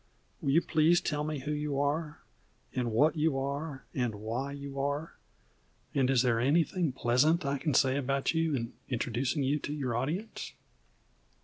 Will you please tell me who you are, and what you are, and why you are? And is there anything pleasant I can say about you in introducing you to your audience?"